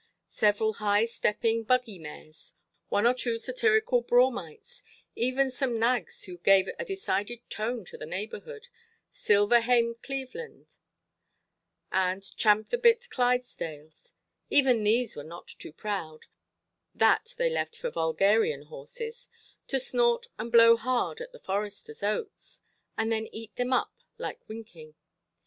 Several high–stepping buggy–mares, one or two satirical Broughamites, even some nags who gave a decided tone to the neighbourhood, silver–hamed Clevelands, and champ–the–bit Clydesdales: even these were not too proud—that they left for vulgarian horses—to snort and blow hard at the "Forestersʼ" oats, and then eat them up like winking.